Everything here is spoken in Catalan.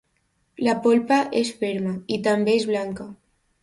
La polpa és ferma, i també és blanca.